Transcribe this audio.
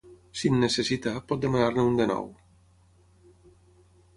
Si en necessita, pot demanar-ne un de nou.